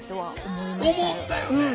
思ったよね！